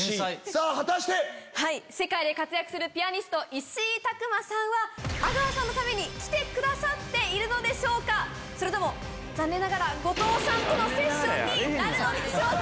さぁ果たして⁉世界で活躍するピアニスト石井琢磨さんは阿川さんのために来ているのでしょうか⁉それとも残念ながら後藤さんとのセッションになるのでしょうか